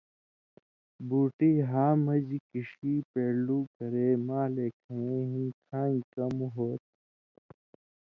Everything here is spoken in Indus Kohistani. بُوٹی ہامژ کِݜی پېڑلو کرے مالے کھیَیں ہِن کھانگیۡ کم ہوتھی۔